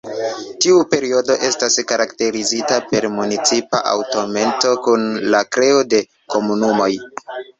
Tiu periodo estas karakterizita per municipa aŭtonomeco, kun la kreo de komunumoj.